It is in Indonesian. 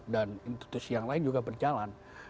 dan institusi yang lain juga berjalan